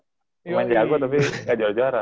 pemain jago tapi gak jual juara